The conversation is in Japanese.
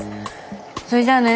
そいじゃあね。